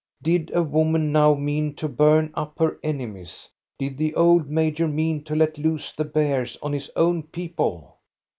Did a woman now mean to burn up her enemies ; did the old major mean to let loose the bears on his own people?